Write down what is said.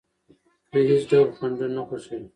دوی هیڅ ډول خنډونه نه خوښوي.